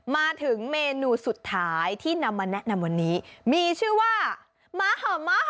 มาถึงเมนูสุดท้ายที่นำมาแนะนำวันนี้มีชื่อว่าม้าห่อมะ